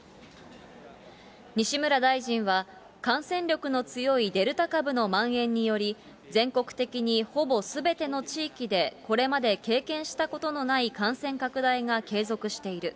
西村大臣は、感染力の強いデルタ株のまん延により、全国的にほぼすべての地域で、これまで経験したことのない感染拡大が継続している。